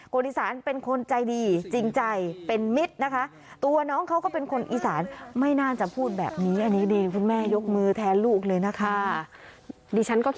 อีสานเป็นคนใจดีจริงใจเป็นมิตรนะคะ